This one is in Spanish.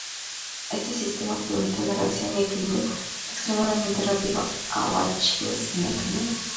Este sistema permite una reacción y equilibrio extremadamente rápido a baches en el camino.